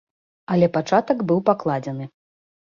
Але пачатак быў пакладзены.